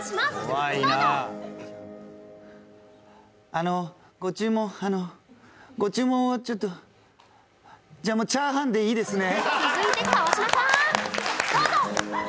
あの、ご注文、あの、ご注文をちょっとじゃ、もうチャーハンでいいですね？